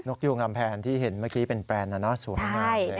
นกยูงรำแผนที่เห็นเมื่อกี้เป็นแบรนด์น่ะนะสวยมากเลยนะ